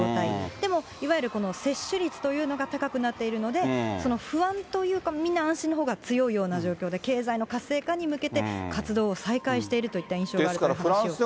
でもいわゆる接種率というのが高くなっているので、不安というか、みんな安心のほうが強いような状況で、経済の活性化に向けて、活動を再開しているといった印象があるという話を聞きました。